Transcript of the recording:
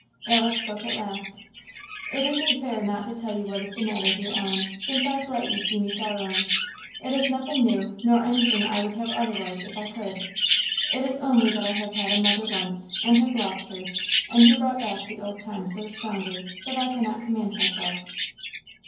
Alice spoke at last. "It isn't fair not to tell you what is the matter, dear Ellen, since I have let you see me sorrowing. It is nothing new, nor anything I would have otherwise if I could. It is only that I have had a mother once, and have lost her; and you brought back the old time so strongly, that I could not command myself."